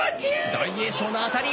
大栄翔の当たり。